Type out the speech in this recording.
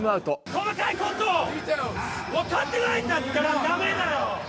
細かいこと分かってないんだったらだめだよ。